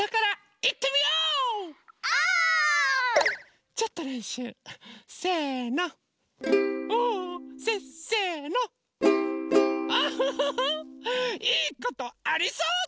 いいことありそうだ！